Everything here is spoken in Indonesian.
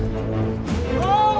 jangan jangan lo